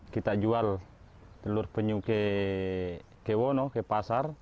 kita jual telur penyu ke pasar